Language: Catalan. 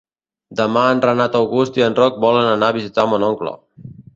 Demà en Renat August i en Roc volen anar a visitar mon oncle.